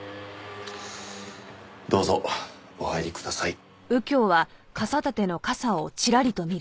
どうぞお入りください。